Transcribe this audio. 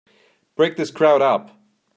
Break this crowd up!